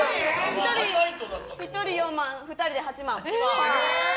１人４万円、２人で８万円。